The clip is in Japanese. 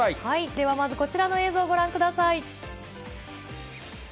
ではまずこちらの映像をご覧ください。